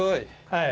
はい。